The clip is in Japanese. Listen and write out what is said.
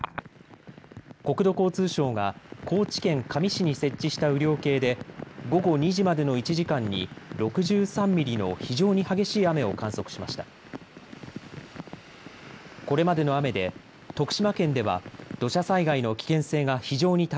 国土交通省が高知県香美市に設置した雨量計で午後２時までの１時間に６３ミリの非常に激しい雨を観測しました。